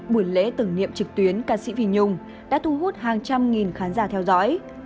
buổi lễ tưởng niệm trực tuyến ca sĩ vi nhung đã thu hút hàng trăm nghìn khán giả theo dõi